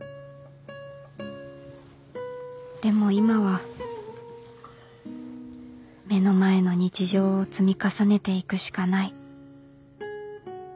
でも今は目の前の日常を積み重ねていくしかない